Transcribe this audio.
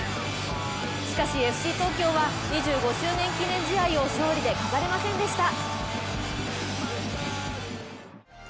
しかしＦＣ東京は２５周年記念試合を勝利で飾れませんでした。